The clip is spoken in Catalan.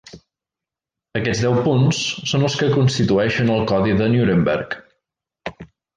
Aquests deu punts són els que constituïxen el Codi de Nuremberg.